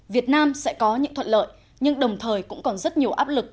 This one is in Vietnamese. việt nam sẽ có những thuận lợi nhưng đồng thời cũng còn rất nhiều áp lực